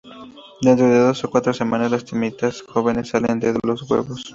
Dentro de dos a cuatro semanas, las termitas jóvenes salen de los huevos.